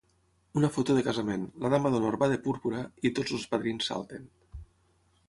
Una foto de casament, la dama d'honor va de púrpura i tots els padrins salten.